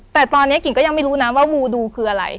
แต่ตอนนี้กิ่งก็ยังไม่รู้นะว่างูดูคืออะไร